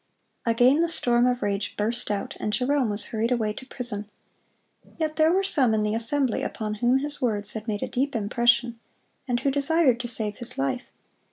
(150) Again the storm of rage burst out, and Jerome was hurried away to prison. Yet there were some in the assembly upon whom his words had made a deep impression, and who desired to save his life.